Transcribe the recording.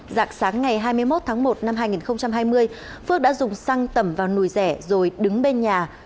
dạng sáng ngày hai mươi một tháng một năm hai nghìn hai mươi phước đã dùng xăng tẩm vào nùi rẻ rồi đứng bên nhà